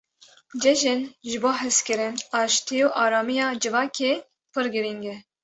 Cejin ji bo hezkirin, aştî û aramiya civakê pir girîng e.